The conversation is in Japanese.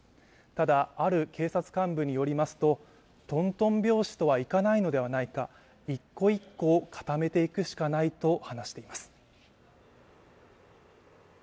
ただある警察幹部によりますと、トントン拍子とはいかないのではないか一個一個、固めていくしかないと話しています。